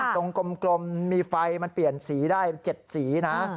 กลมมีไฟมันเปลี่ยนสีได้๗สีนะ